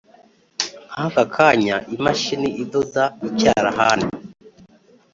nk'aka kanya-imashini idoda.(icyarahani)